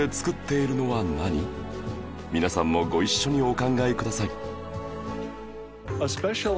皆さんもご一緒にお考えください